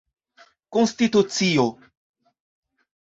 konstitucio